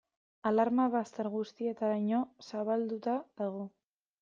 Alarma bazter guztietaraino zabalduta dago.